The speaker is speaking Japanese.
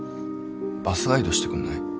バスガイドしてくんない？